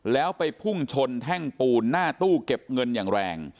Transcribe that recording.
แล้วไปพุ่งชนแท่งปูนหน้าตู้เก็บเงินอย่างแรง